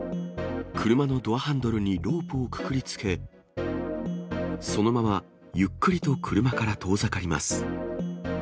車のドアハンドルにロープをくくりつけ、そのままゆっくりと車から遠ざかります。